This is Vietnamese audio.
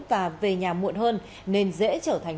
và về nhà muộn hơn nên dễ trở thành